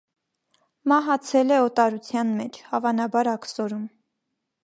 Մահացել է օտարության մեջ (հավանաբար աքսորում)։